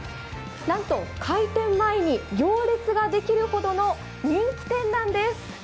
なんと、開店前に行列ができるほどの人気店なんです。